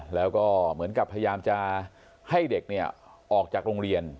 แล้วก็เหมือนกับพยายามจะให้เด็กเนี่ยออกจากโรงเรียน